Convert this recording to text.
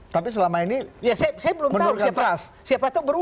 tapi selama ini menurunkan trust